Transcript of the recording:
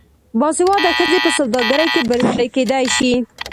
باسواده ښځې په سوداګرۍ کې بریالۍ کیدی شي.